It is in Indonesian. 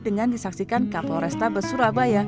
dengan disaksikan kapolresta besurabaya